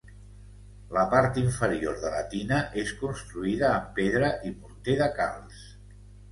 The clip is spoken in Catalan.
La part inferior de la tina és construïda amb pedra i morter de calç.